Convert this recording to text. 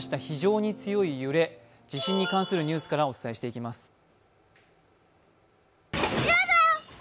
非常に強い揺れ地震に関するニュースからお伝えしていきます。